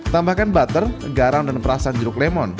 tambahkan butter garam dan perasan jeruk lemon